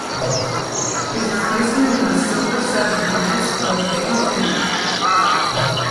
His replacement in the Silver Seven's nets was Dave Finnie.